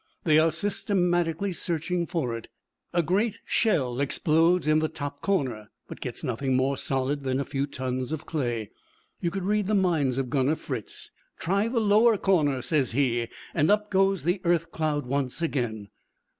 They are systematically searching for it. A great shell explodes in the top corner, but gets nothing more solid than a few tons of clay. You can read the mind of Gunner Fritz. 'Try the lower corner!' says he, and up goes the earth cloud once again.